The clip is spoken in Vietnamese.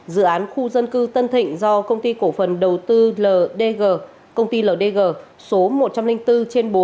dự án khu dân cư tân thịnh do công ty cổ phần đầu tư ldg số một trăm linh bốn trên bốn